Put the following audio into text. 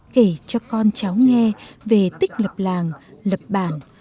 kể cho con cháu nghe về tích lập làng lập bản